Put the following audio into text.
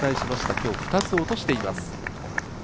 今日２つ落としています。